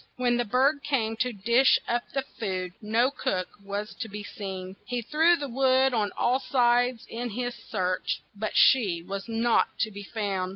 When the bird came to dish up the food, no cook was to be seen. He threw the wood on all sides in his search, but she was not to be found.